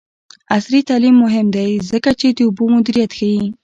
عصري تعلیم مهم دی ځکه چې د اوبو مدیریت ښيي.